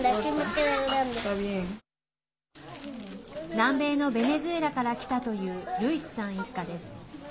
南米のベネズエラから来たというルイスさん一家です。